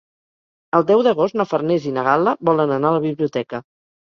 El deu d'agost na Farners i na Gal·la volen anar a la biblioteca.